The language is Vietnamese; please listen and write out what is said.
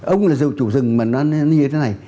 ông là chủ rừng mà nó như thế này